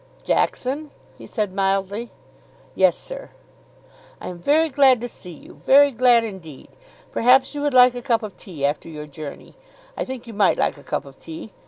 "Jackson?" he said mildly. "Yes, sir." "I am very glad to see you, very glad indeed. Perhaps you would like a cup of tea after your journey. I think you might like a cup of tea.